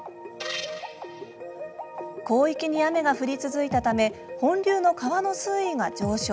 広域に雨が降り続いたため本流の川の水位が上昇。